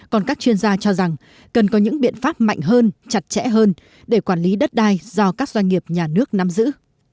còn các chuyên gia cho rằng cần có những biện pháp mạnh hơn chặt chẽ hơn để quản lý đất đai do các doanh nghiệp nhà nước nắm giữ